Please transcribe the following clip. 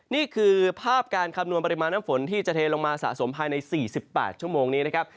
นี่คือภาพการคำนวณปริมาณน้ำฝนที่จะเทลงมาสะสมภายใน๔๘ชั่วโมงนี้นะครับ